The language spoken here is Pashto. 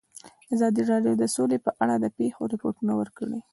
ازادي راډیو د سوله په اړه د پېښو رپوټونه ورکړي.